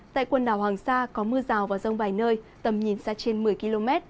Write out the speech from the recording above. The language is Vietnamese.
tại quần đảo hoàng sa có mưa rào và rông vài nơi tầm nhìn xa trên một mươi km